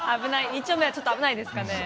二丁目はちょっと危ないですかねえ。